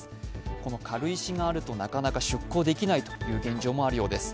この軽石があるとなかなか出港できないという現状もあるようです。